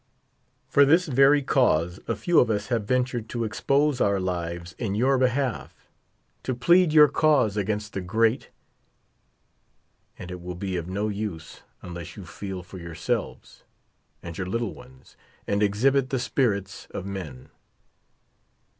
For this very cause a few of us have ventured to expose our lives in 3 our behalf, to plead your cause against the great ; and it will be of no use, unless you feel for yourselves and your little ones, and exhibit the spirits of men.